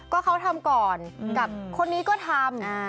ก็เขาทำก่อนกับคนนี้ก็ทำ